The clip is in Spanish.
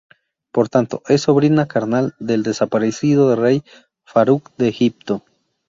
Por tanto, es sobrina carnal del desaparecido Rey Faruq de Egipto.